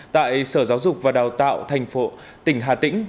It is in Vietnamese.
tại sở giáo dục và đào tạo thành phố tỉnh hà tĩnh